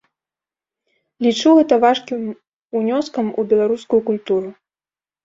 Лічу гэта важкім унёскам у беларускую культуру.